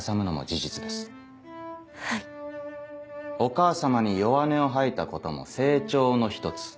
お母様に弱音を吐いたことも成長の一つ。